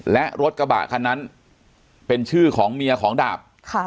และรถกระบะคันนั้นเป็นชื่อของเมียของดาบ